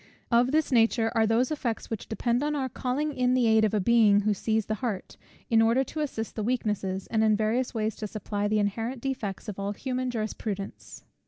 Of this nature are those effects, which depend on our calling in the aid of a Being who sees the heart, in order to assist the weakness, and in various ways to supply the inherent defects of all human jurisprudence.